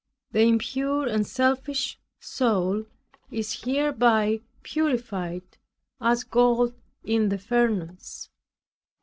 The impure and selfish soul, is hereby purified, as gold in the furnace.